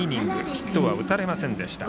ヒットは打たれませんでした。